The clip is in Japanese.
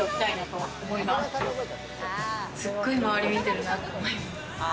すごい周り見てるなと思います。